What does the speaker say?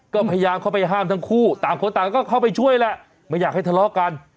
ก็พยายามเข้าไปห้ามทั้งคู่ต่างคนต่างก็เข้าไปช่วยแหละไม่อยากให้ทะเลาะกัน